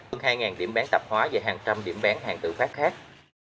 hơn hai điểm bán tạp hóa và hàng trăm điểm bán hàng tự phát khác